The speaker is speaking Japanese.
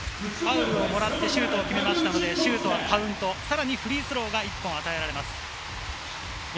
ファウルをもらってシュートを決めましたので、シュートはカウント、さらにフリースローが１本与えられます。